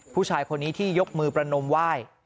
ผู้ชายคนนี้ที่ยกมือประนมไหว้